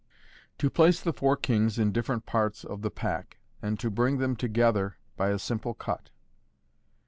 To PLACE THE FOUR KlNGS IN DIFFERENT PARTS OF THB Pack, and to bring them together by a Simple Cut.